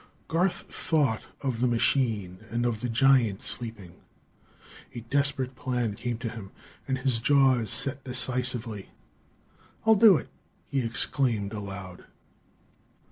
Garth thought of the machine, and of the giant sleeping. A desperate plan came to him, and his jaws set decisively. "I'll do it!" he exclaimed aloud.